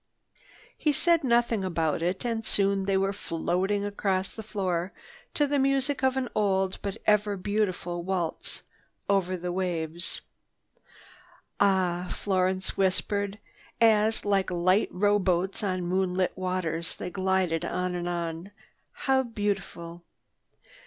He said nothing about it and soon they were floating across the floor to the music of the old but ever beautiful waltz, "Over the Waves." "Ah," Florence whispered as, like light row boats on moonlit waters they glided on and on, "how beautiful!